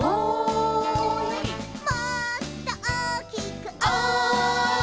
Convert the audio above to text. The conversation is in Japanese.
「もっと大きくおい！」